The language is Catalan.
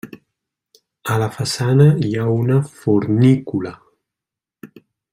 A la façana hi ha una fornícula.